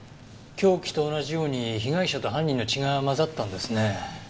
凶器と同じように被害者と犯人の血が混ざったんですねえ。